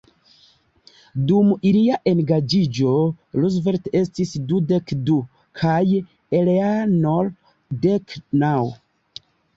Dum ilia engaĝiĝo, Roosevelt estis dudek du kaj Eleanor dek naŭ.